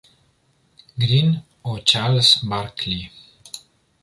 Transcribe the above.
Green o Charles Barkley.